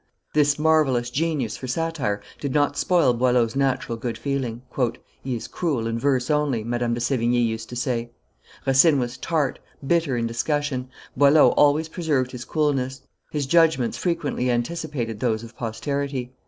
This marvellous genius for satire did not spoil Boileau's natural good feeling. "He is cruel in verse only," Madame de Sevigne used to say. Racine was tart, bitter in discussion; Boileau always preserved his coolness: his judgments frequently anticipated those of posterity.